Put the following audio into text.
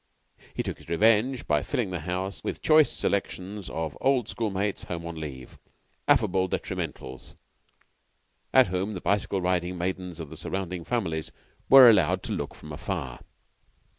He took his revenge by filling the house with choice selections of old schoolmates home on leave affable detrimentals, at whom the bicycle riding maidens of the surrounding families were allowed to look from afar.